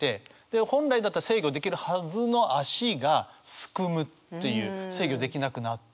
で本来だったら制御できるはずの足が竦むっていう制御できなくなって。